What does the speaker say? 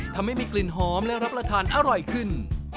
ทำให้มีกลิ่นหอมและรับประทานอร่อยขึ้น